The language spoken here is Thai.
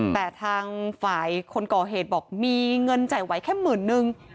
แต่ทางฝ่ายคนก่อเหตุบอกมีเงินจ่ายไว้แค่หมื่นนึง